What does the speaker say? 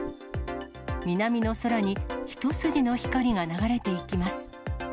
南の空に、一筋の光が流れていきます。